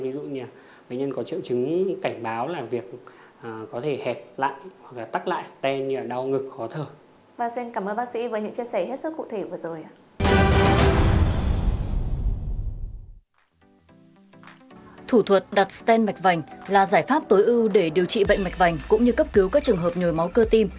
ví dụ như bệnh nhân có triệu chứng cảnh báo là việc có thể hẹp lại hoặc tắt lại stent như đau ngực khó thở